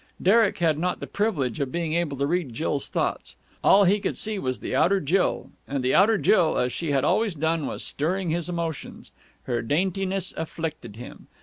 Derek had not the privilege of being able to read Jill's thoughts. All he could see was the outer Jill, and the outer Jill, as she had always done, was stirring his emotions. Her daintiness afflicted him.